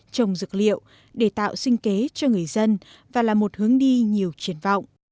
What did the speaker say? trồng dược liệu để tạo sinh kế cho người dân và là một hướng đi nhiều triển vọng